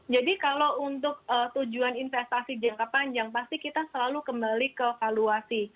jadi kalau untuk tujuan investasi jangka panjang pasti kita selalu kembali ke valuasi